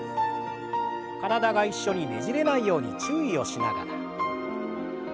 体が一緒にねじれないように注意をしながら。